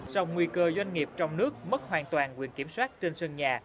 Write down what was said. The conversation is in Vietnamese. sau nguy cơ doanh nghiệp trong nước mất hoàn toàn quyền kiểm soát trên sân nhà